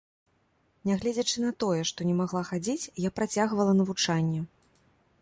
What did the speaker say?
Нягледзячы на тое, што не магла хадзіць, я працягвала навучанне.